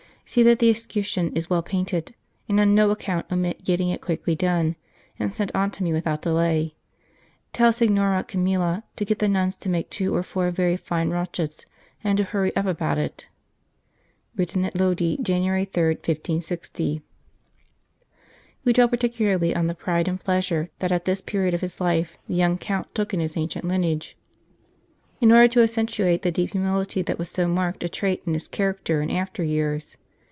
See that the escutcheon is well painted, and on no account omit getting it quickly done, and sent on to me without delay. Tell Signora Camilla to get the Nuns to make two or four very fine rochets, and to hurry up about it. " Written at Lodi, January 3, 1560." We dwell particularly on the pride and pleasure that at this period of his life the young Count took in his ancient lineage, in order to accentuate the deep humility that was so marked a trait in his character in after years.